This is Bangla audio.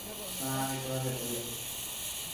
না, আমি তোমাকে ধরেছি।